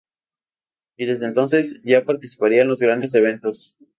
Y desde entonces, ya participaría en los grandes eventos.